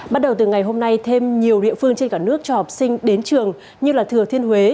bắt đầu từ ngày hôm nay thêm nhiều địa phương trên cả nước cho học sinh đến trường như thừa thiên huế